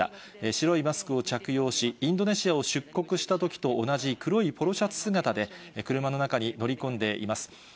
白いマスクを着用し、インドネシアを出国したときと同じ黒いポロシャツ姿で、車の中に乗り込んでいます。